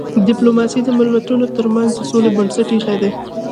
ډيپلوماسي د ملتونو ترمنځ د سولې بنسټ ایښی دی.